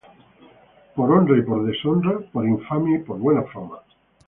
Por honra y por deshonra, por infamia y por buena fama;